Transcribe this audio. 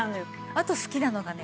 あと好きなのがね